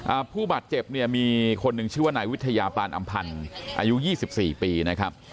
ผู้บาดเจ็บเนี่ยมีคนหนึ่งชื่อว่านายวิทยาปานอำพันธ์อายุยี่สิบสี่ปีนะครับ